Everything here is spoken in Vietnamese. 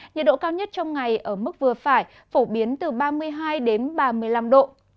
nhiệt độ cao nhất trong ngày ở mức vừa phải phổ biến từ ba mươi hai đến ba mươi năm độ